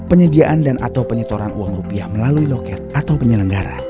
penyediaan dan atau penyetoran uang rupiah melalui loket atau penyelenggara